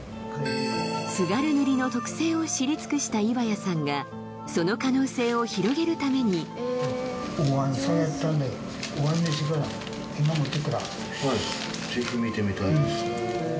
津軽塗の特性を知り尽くした岩谷さんがその可能性を広げるためにはいぜひ見てみたいです